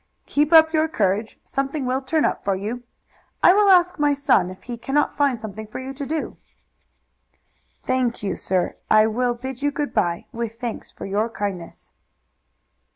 "Keep up your courage! Something will turn up for you. I will ask my son if he cannot find something for you to do." "Thank you, sir. I will bid you good by, with thanks for your kindness."